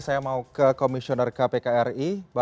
saya mau ke komisioner kpk ri bang gufron